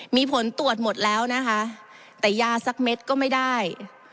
มีผลตรวจหมดแล้วนะคะแต่ยาสักเม็ดก็ไม่ได้